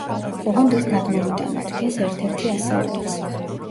ოღონდ ეს გადმოვიტანოთ; ეს ერთ-ერთი ასეულიც.